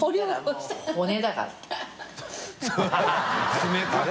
冷たいね。